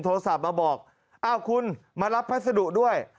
โทรศัพท์มาบอกมารับพัศดุด้วย